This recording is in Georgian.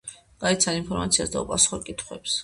გაეცანი ინფორმაციას და უპასუხე კითხვებს